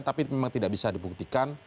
tapi memang tidak bisa dibuktikan